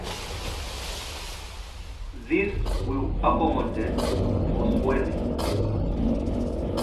This will accommodate for swelling.